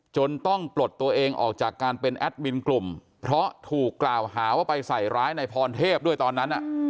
จนต้องปลดตัวเองออกจากการเป็นแอดมินกลุ่มเพราะถูกกล่าวหาว่าไปใส่ร้ายในพรเทพด้วยตอนนั้น